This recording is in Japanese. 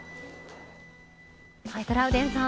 トラウデンさん